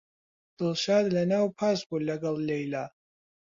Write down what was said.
دڵشاد لەناو پاس بوو لەگەڵ لەیلا.